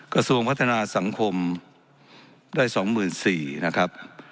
กระทรวงพัฒนาสังคมได้๒๔๐๐นะครับ